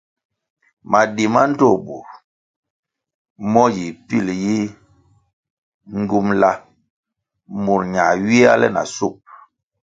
Madi ma ndtoh bur mo yi pil yi ngyumbʼla murʼ ñā ywia le na shub.